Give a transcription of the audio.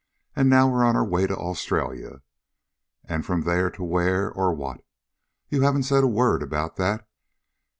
And now we're on our way to Australia. And, from there to where, or what? You haven't said a word about that.